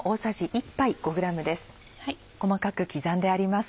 細かく刻んであります。